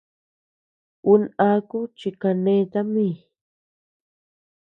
Un aku chi kaneta mi.